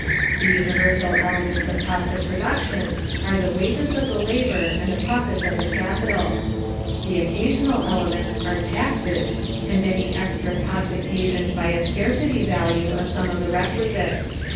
The universal elements of cost of production are the wages of the labor, and the profits of the capital. The occasional elements are taxes, and any extra cost occasioned by a scarcity value of some of the requisites.